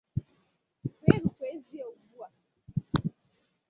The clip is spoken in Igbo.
wee rukwazie ugbua